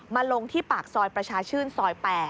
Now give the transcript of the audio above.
ลงที่ปากซอยประชาชื่นซอย๘